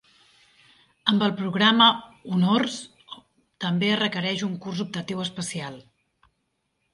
Amb el programa Honors també es requereix un curs optatiu especial.